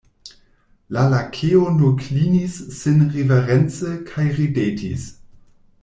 La Lakeo nur klinis sin riverence kaj ridetis.